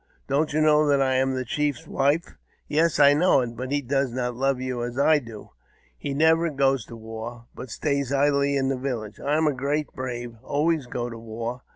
" Don't you know that I am the chief's wife? " "Yes, I know it; but he does not love you as I do. He never goes to war, but stays idly in the village. I am a great brave, and always go to war.